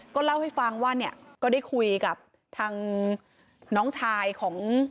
ก็เล่าให้ฟังว่าเนี่ยก็ได้คุยกับทางน้องชายของ